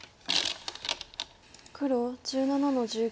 黒１７の十九。